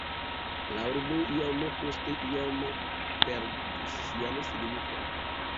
La urbo iom post iom perdis sian signifon.